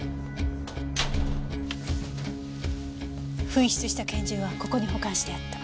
紛失した拳銃はここに保管してあった。